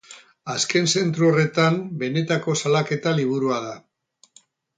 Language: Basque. Azken zentzu horretan benetako salaketa liburua da.